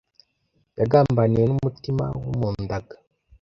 yagambaniwe n’umutima wamundaga